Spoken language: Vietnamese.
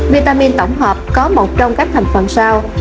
vitamin tổng hợp có một trong các thành phần sau